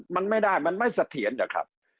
มันไม่ได้มันไม่สังเกตุภาพด้วยนะครับ